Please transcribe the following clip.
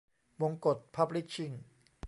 บงกช พับลิชชิ่ง